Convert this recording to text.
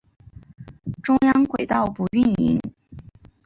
中央轨道不营运。